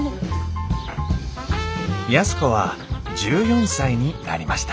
安子は１４歳になりました。